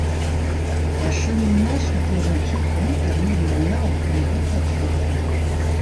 Un cheminement souterrain piéton permet le lien entre les deux plateformes.